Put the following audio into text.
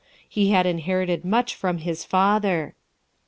He had inherited much from his father.